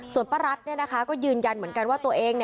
ส่วนป้ารัฐก็ยืนยันเหมือนกันว่าตัวเอง